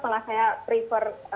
malah saya prefer